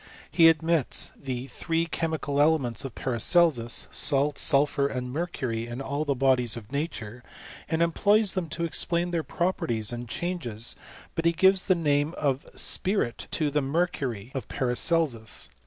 He admits the three chemical elements of Paracelsus, salt, sulphur, and mercury, in all the bodies in nature, and employs them to explain their properties and changes; but he gives the name of ^pirit to the mercury of Paracelsus.